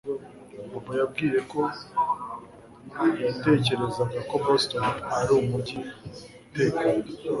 Bobo yambwiye ko yatekerezaga ko Boston ari umujyi utekanye